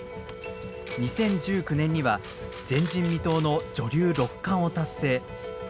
２０１９年には前人未到の女流六冠を達成。